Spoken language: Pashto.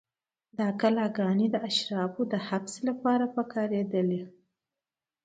دا کلاګانې د اشرافو د حبس لپاره کارېدلې.